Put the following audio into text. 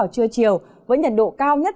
trưa chiều với nhiệt độ cao nhất